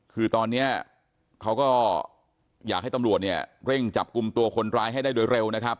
คือตอนนี้เขาก็อยากให้ตำรวจเนี่ยเร่งจับกลุ่มตัวคนร้ายให้ได้โดยเร็วนะครับ